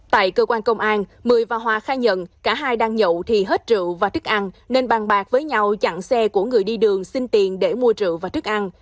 tại cơ quan công an mười và hòa khai nhận cả hai đang nhậu thì hết rượu và thức ăn nên bàn bạc với nhau chặn xe của người đi đường xin tiền để mua rượu và thức ăn